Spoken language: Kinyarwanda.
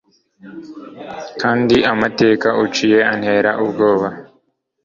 kandi amateka uciye antera ubwoba